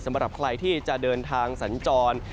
สำหรับใครที่จะเดินทางสัญจร